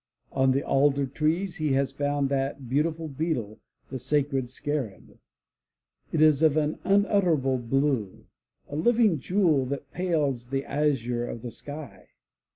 On the alder trees he has found that beautiful beetle, the sacred scarab. It is of an unutterable blue, a living jewel that pales the azure of the sky.